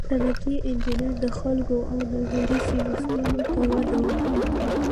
صنعتي انجینران د خلکو او انرژي سیسټمونو ته وده ورکوي.